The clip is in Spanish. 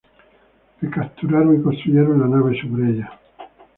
La capturaron y construyeron la nave sobre ella.